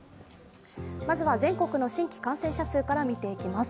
まずは全国の新規感染者数から見ていきます。